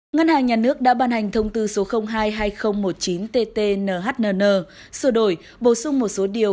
ngân hàng nhà nước đã ban hành thông tư số hai hai nghìn một mươi chín tt nhnn sửa đổi bổ sung một số điều